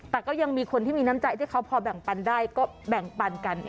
แต่ก็ยังมีคนที่มีน้ำใจที่เขาพอแบ่งปันได้ก็แบ่งปันกัน